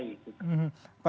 jadi kita harus memadai